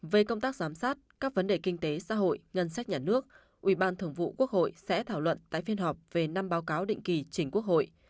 về công tác giám sát các vấn đề kinh tế xã hội ngân sách nhà nước ủy ban thường vụ quốc hội sẽ thảo luận tại phiên họp về năm báo cáo định kỳ chính quốc hội